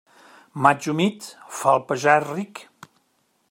Maig humit, fa el pagès ric.